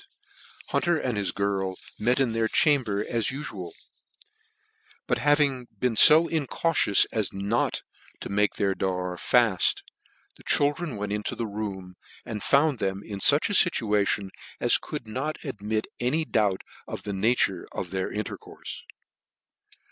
3 1 vifit, Hunter and his girl met in their chamber as ufual : but having been fo incautious as not to make their door fail, the children went into the room, and found them in fuch a fuuation as could not admit of any doubt of the nature of their intercourfe.